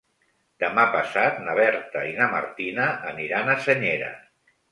Demà passat na Berta i na Martina aniran a Senyera.